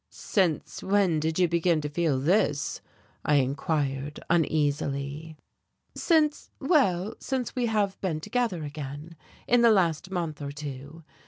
"Since when did you begin to feel this?" I inquired uneasily. "Since well, since we have been together again, in the last month or two.